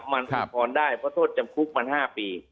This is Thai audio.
มันอุทธรณ์ได้เพราะโทษจำคุกมัน๕ปี